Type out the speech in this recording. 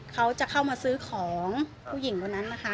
เขาจะเข้ามาซื้อของผู้หญิงคนนั้นนะคะ